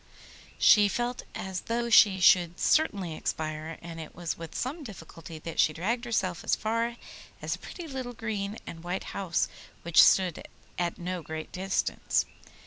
She felt as though she should certainly expire, and it was with some difficulty that she dragged herself as far as a pretty little green and white house, which stood at no great distance.